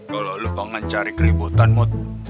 kalau lu pengen cari keributan mau